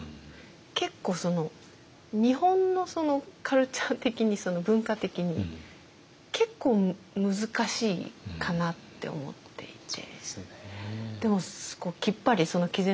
結構日本のカルチャー的に文化的に結構難しいかなって思っていて。